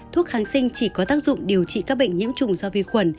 thuốc kháng sinh chỉ có tác dụng điều trị các bệnh nhiễm trùng do vi khuẩn